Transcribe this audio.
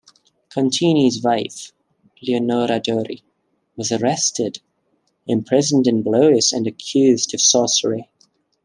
Concini's wife, Leonora Dori, was arrested, imprisoned in Blois and accused of sorcery.